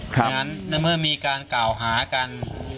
เพราะฉะนั้นเมื่อมีการเก่าหากัน